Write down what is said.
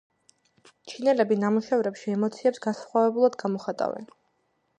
ჩინელები ნამუშევრებში ემოციებს განსხვავებულად გამოხატავენ.